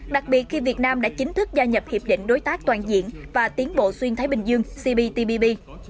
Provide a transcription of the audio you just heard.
đặc biệt khi việt nam đã chính thức gia nhập hiệp định đối tác toàn diện và tiến bộ xuyên thái bình dương cptpp